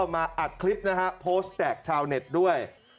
มาอัดคลิปนะฮะโพสต์แจกชาวเน็ตด้วย